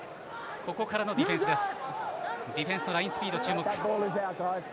ここからのディフェンスです。